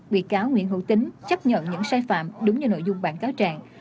bị cáo nguyễn hữu tính chấp nhận những sai phạm đúng như nội dung bản cáo trạng